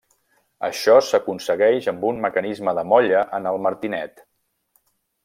Això s'aconsegueix amb un mecanisme de molla en el martinet.